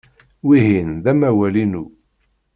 Wihin d amawal-inu.